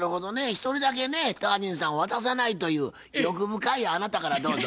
一人だけねタージンさんは渡さないという欲深いあなたからどうぞ。